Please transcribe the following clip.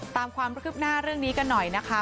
ตามความคืบหน้าเรื่องนี้กันหน่อยนะคะ